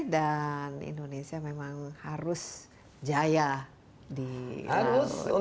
dan indonesia memang harus jaya di laut